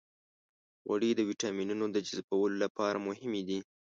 غوړې د ویټامینونو د جذبولو لپاره مهمې دي.